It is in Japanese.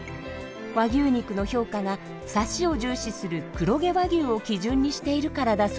和牛肉の評価がサシを重視する黒毛和牛を基準にしているからだそうです。